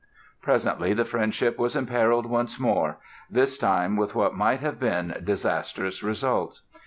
Presently the friendship was imperiled once more, this time with what might have been disastrous results.